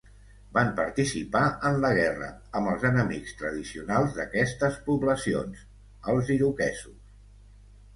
Van participar en la guerra amb els enemics tradicionals d'aquestes poblacions, els iroquesos.